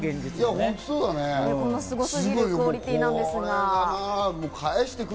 ものすごいクオリティーなんですが。